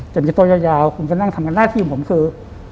จะมีตัวยาวผมจะนั่งทำงานหน้าที่ของผมคือ